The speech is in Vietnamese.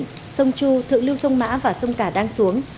lũ ở hạ lưu sông chu thự lưu sông mã và sông cả đang xuống